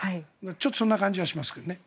ちょっとそんな感じはしますけどね。